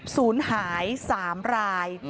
ศูนย์หาย๓ราย